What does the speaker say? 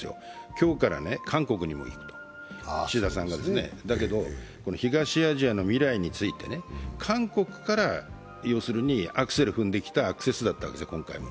今日から韓国にも行く、岸田さんがだけど、東アジアの未来について、韓国からアクセル踏んできたアクセスだったわけですよ、今回も。